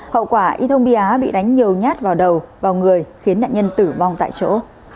hậu quả y thông bia bị đánh nhiều nhát vào đầu vào người khiến nạn nhân tử vong tại chỗ